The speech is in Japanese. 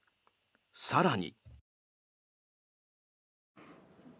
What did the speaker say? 更に。